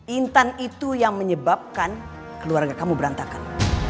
intan itu yang menyebabkan keluarga kamu berantakan